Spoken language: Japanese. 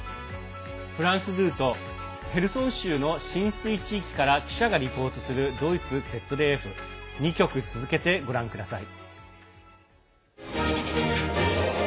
フランス２とヘルソン州の浸水地域から記者がリポートするドイツＺＤＦ２局続けてご覧ください。